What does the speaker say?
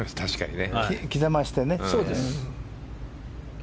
刻ませてね。